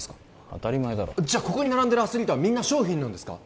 当たり前だろじゃあここに並んでるアスリートはみんな商品なんですか？